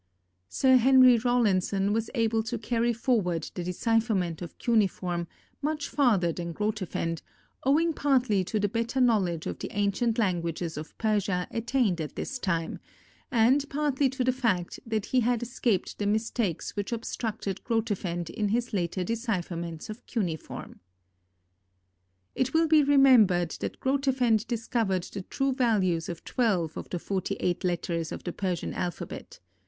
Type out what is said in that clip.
Sir Henry Rawlinson was able to carry forward the decipherment of cuneiform much farther than Grotefend, owing partly to the better knowledge of the ancient languages of Persia attained at this time, and partly to the fact that he had escaped the mistakes which obstructed Grotefend in his later decipherments of cuneiform. It will be remembered that Grotefend discovered the true values of twelve of the forty eight letters of the Persian alphabet.